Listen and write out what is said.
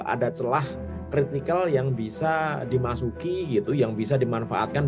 ada celah kritikal yang bisa dimasuki gitu yang bisa dimanfaatkan